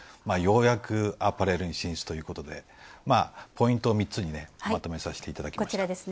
ようやくアパレルに進出ということでポイントを３つにまとめさせていただきました。